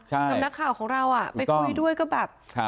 ใช่กับนักข่าวของเราอ่ะไม่ต้องไปคุยด้วยก็แบบครับ